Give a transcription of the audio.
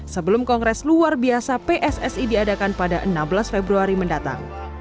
sebelum kongres luar biasa pssi diadakan pada enam belas februari mendatang